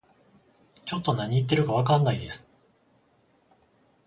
ちょっと何言ってるかわかんないです